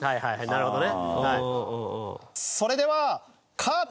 なるほどね！